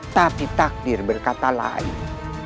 tapi takdir berkata lain